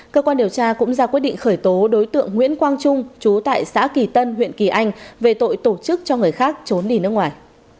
cơ quan điều tra cũng ra quyết định khởi tố đối tượng nguyễn quang trung chú tại xã kỳ tân huyện kỳ anh về tội tổ chức cho người khác trốn đi nước ngoài